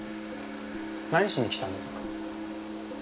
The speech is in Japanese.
何しに来たんですか？